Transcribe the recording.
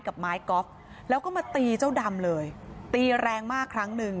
กับไม้กอล์ฟแล้วก็มาตีเจ้าดำเลยตีแรงมากครั้งหนึ่ง